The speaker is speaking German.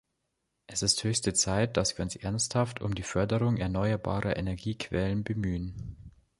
Es ist höchste Zeit, dass wir uns ernsthaft um die Förderung erneuerbarer Energiequellen bemühen.